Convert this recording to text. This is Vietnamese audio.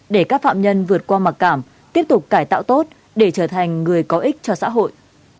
để các phạm nhân vượt qua mặc cảm tiếp tục cải tạo tốt để trở thành người có ích cho xã hội